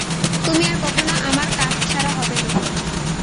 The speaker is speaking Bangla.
তুমি আর কখনো আমার কাছছাড়া হবে না।